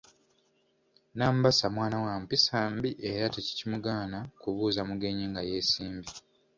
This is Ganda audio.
Nambassa mwana wa mpisa mbi era tekimugaana kubuuza mugenyi nga yeesimbye.